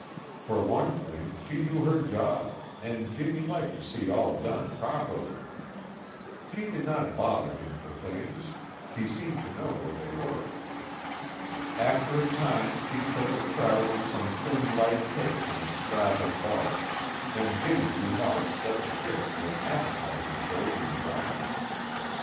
For one thing, she knew her job, and Jimmy liked to see all done properly. She did not bother him for things; she seemed to know where they were. After a time, she put the trout and some thin light cakes on a slab of bark, and Jimmy remarked that the fish were an appetizing golden brown.